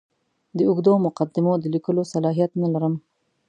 د اوږدو مقدمو د لیکلو صلاحیت نه لرم.